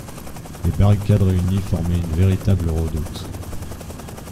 Les deux barricades réunies formaient une véritable redoute.